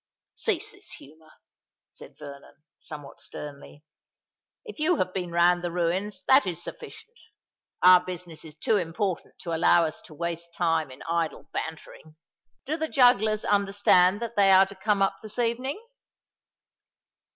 "Cease this humour," said Vernon, somewhat sternly. "If you have been round the ruins, that is sufficient. Our business is too important to allow us to waste time in idle bantering. Do the jugglers understand that they are to come up this evening?"